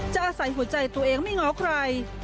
อาศัยหัวใจตัวเองไม่ง้อใคร